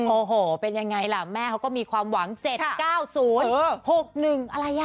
โอ้โหเป็นยังไงล่ะแม่เขาก็มีความหวัง๗๙๐๖๑อะไรอ่ะ